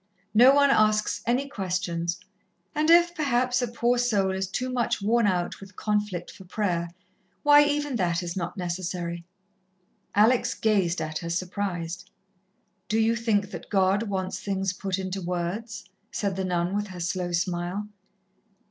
No one asks any questions, and if, perhaps, a poor soul is too much worn out with conflict for prayer, why, even that is not necessary." Alex gazed at her, surprised. "Do you think that God wants things put into words?" said the nun with her slow smile.